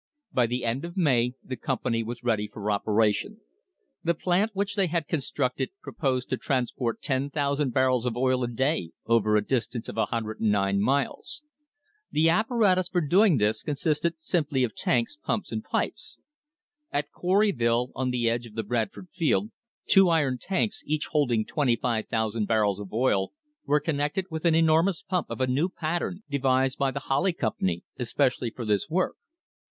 By the end of May the company was ready for operation. The plant which they had constructed proposed to transport 10,000 barrels of oil a day over a distance of 109 miles. The apparatus for doing this consisted simply of tanks, pumps and pipes. At Coryville, on the edge of the Bradford field, two iron tanks, each holding 25,000 barrels of oil, were con nected with an enormous pump of a new pattern devised by the Holly Company especially for this work.